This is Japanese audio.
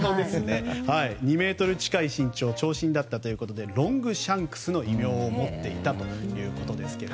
２ｍ近い身長長身だったということでロングシャンクスの異名を持っていたということですけど。